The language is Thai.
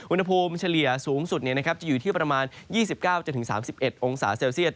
อุณหภูมิเฉลี่ยสูงสุดจะอยู่ที่ประมาณ๒๙๓๑องศาเซลเซียต